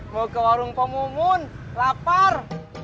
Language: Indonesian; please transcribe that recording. mau ke warung komun lapar